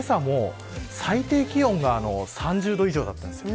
けさの最低気温が３０度以上だったんです。